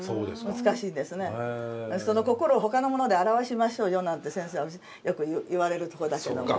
その心をほかのもので表しましょうよなんて先生はよく言われるとこだけども。